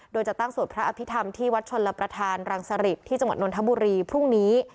โดยจะตั้งสวดพระอภิษฐรรมที่วัดชนรับประธานรังสริตที่จังหวัดนทบุรีพรุ่งนี้